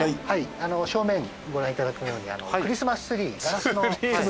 正面ご覧いただくようにクリスマスツリー。